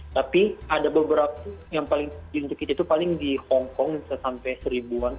tapi ada beberapa yang paling untuk kita itu paling di hongkong bisa sampai seribuan